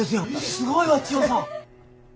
すごいわ千代さん。